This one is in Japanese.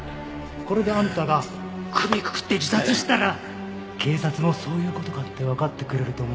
これであんたが首くくって自殺したら警察もそういう事かってわかってくれると思うんだよね。